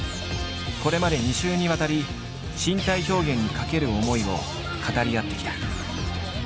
これまで２週にわたり身体表現にかける思いを語り合ってきた。